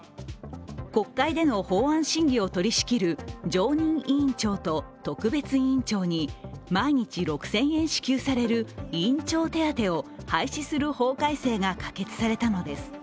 国会での法案審議を取り仕切る常任委員長と特別委員長に毎日６０００円支給される委員長手当てを廃止する法改正が可決されたのです。